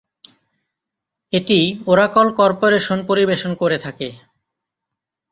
এটি Oracle Corporation পরিবেশন করে থাকে।